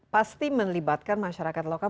pasti melibatkan masyarakat lokal